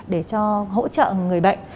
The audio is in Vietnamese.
để cho hỗ trợ người bệnh